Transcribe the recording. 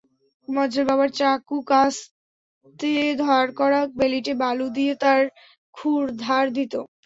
মজ্জেল বাবার চাকু-কাস্তে ধার করা বেলিটে বালু দিয়ে তার ক্ষুর ধার দিত।